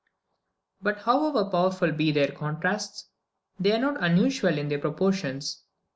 But, however powerful be their contrasts, they are not unusual in their proportions.